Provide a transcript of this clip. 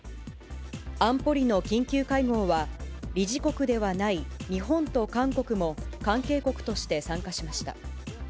安保理の緊急会合は、理事国ではない日本と韓国も、関係国として参加しました。